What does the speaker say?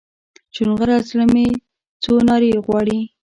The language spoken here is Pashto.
چونغره زړه مې څو نارې غواړي